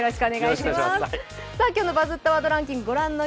今日の「バズったワードランキング」ご覧の